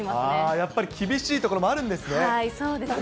やっぱり厳しいところもあるそうですね。